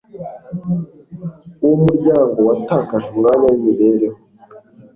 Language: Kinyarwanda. Uwo muryango watakaje umwanya wimibereho